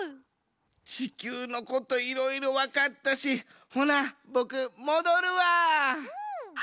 ちきゅうのこといろいろわかったしほなボクもどるわ。